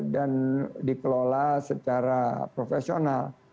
dan dikelola secara profesional